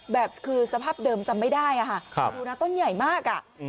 แบบคือสภาพเดิมจำไม่ได้ค่ะดูนะต้นใหญ่มากอ่ะ